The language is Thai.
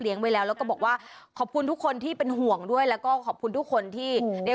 อยู่กันเป็นครอบครัว